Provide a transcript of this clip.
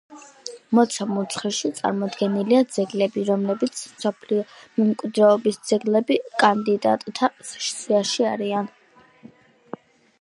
მოცემულ ცხრილში წარმოდგენილია ძეგლები, რომლებიც მსოფლიო მემკვიდრეობის ძეგლების კანდიდატთა სიაში არიან.